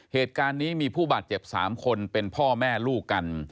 เหตุการณ์นี้มีผู้บาดเจ็บ๓คนเป็นพ่อแม่ลูกกัน